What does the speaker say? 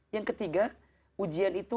yang ketiga ujian itu